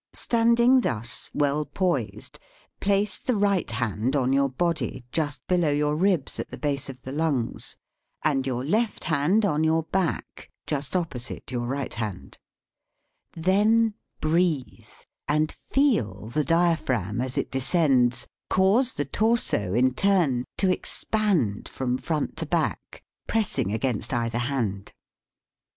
Standing thus, well poised, place the right hand on your body, just below your ribs at the base of the lungs, and your left hand on your back, just opposite your right hand; then breathe, and feel the diaphragm, as it descends, cause the torso, in turn, to expand from front to back, pressing against either hand.